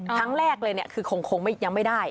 ครั้งแรกเลยเนี่ยคือคงยังไม่ได้